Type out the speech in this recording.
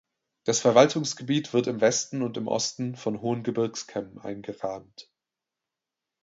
Das Verwaltungsgebiet wird im Westen und im Osten von hohen Gebirgskämmen eingerahmt.